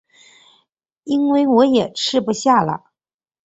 因为我也吃不下了